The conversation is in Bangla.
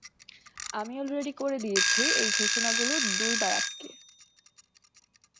আমি অলরেডি করে দিয়েছি, এই ঘোষণাগুলো দুইবার আটকে।